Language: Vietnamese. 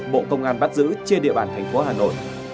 bộ công an bắt giữ trên địa bàn thành phố hà nội